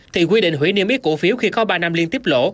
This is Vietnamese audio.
thì quy định hủy niêm yết cổ phiếu khi có ba năm liên tiếp lỗ